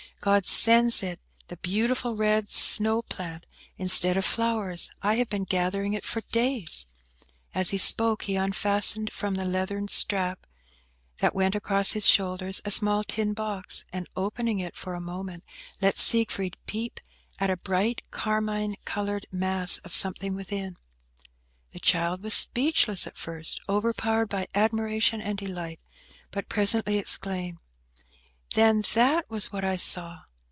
God sends it the beautiful red snow plant instead of flowers. I have been gathering it for days." As he spoke, he unfastened from the leathern strap that went across his shoulders a small tin box, and, opening it for a moment, let Siegfried peep at a bright carmine coloured mass of something within. The child was speechless at first, overpowered by admiration and delight, but presently exclaimed, "Then that was what I saw!"